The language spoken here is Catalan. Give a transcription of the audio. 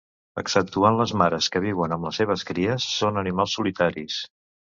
Exceptuant les mares que viuen amb les seves cries, són animals solitaris.